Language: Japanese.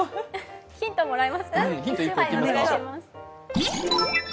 ヒントもらえますか？